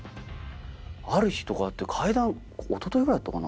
ある日とかって階段一昨日ぐらいだったかな。